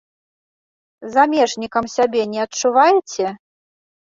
Замежнікам сябе не адчуваеце?